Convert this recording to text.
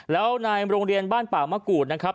แล้วในโรงเรียนบ้านป่ามะกูดนะครับ